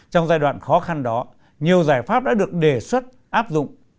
trong giai đoạn khó khăn đó nhiều giải pháp đã được đề xuất áp dụng